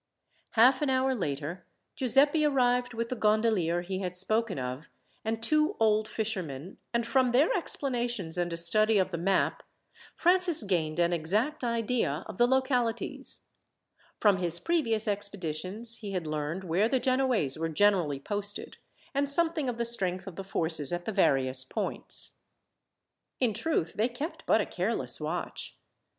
Half an hour later Giuseppi arrived with the gondolier he had spoken of, and two old fishermen, and from their explanations, and a study of the map, Francis gained an exact idea of the localities. From his previous expeditions he had learned where the Genoese were generally posted, and something of the strength of the forces at the various points. In truth, they kept but a careless watch.